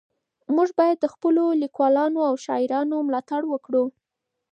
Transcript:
موږ باید د خپلو لیکوالانو او شاعرانو ملاتړ وکړو.